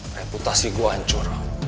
reputasi gue hancur